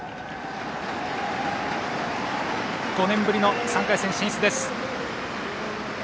５年ぶりの３回戦進出です。